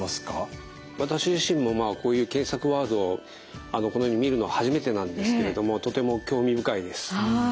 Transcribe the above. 私自身もこういう検索ワードをこのように見るの初めてなんですけれどもとても興味深いです。